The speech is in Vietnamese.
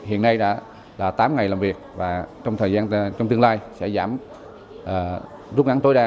hiện nay đã tám ngày làm việc và trong tương lai sẽ giảm rút ngắn tối đa